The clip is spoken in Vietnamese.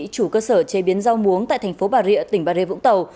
chủ cơ sở chế biến rau muống tại tp bà rịa tỉnh bà rịa vũng tàu